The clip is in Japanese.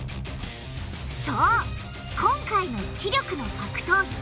そう今回の知力の格闘技。